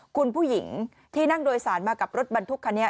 คุณผู้หญิงที่นั่งโดยสารมากับรถบรรทุกคันนี้